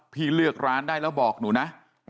พี่เลือกร้านได้แล้วบอกหนูนะ